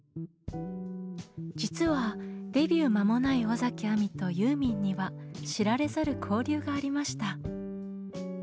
実はデビュー間もない尾崎亜美とユーミンには知られざる交流がありました。